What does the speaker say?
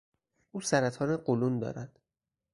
او سرطان قولون دارد.